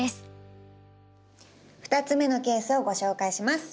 ２つ目のケースをご紹介します。